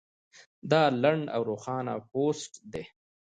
دا لنډ او روښانه پوسټ دی